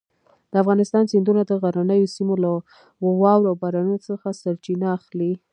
د افغانستان سیندونه د غرنیو سیمو له واورو او بارانونو څخه سرچینه اخلي.